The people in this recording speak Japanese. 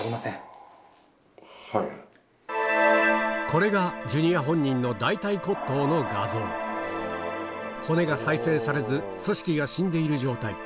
これがジュニア本人の大腿骨頭の画像骨が再生されず組織が死んでいる状態